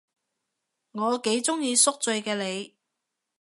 我幾鍾意宿醉嘅你